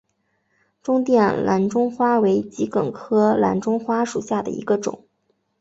中甸蓝钟花为桔梗科蓝钟花属下的一个种。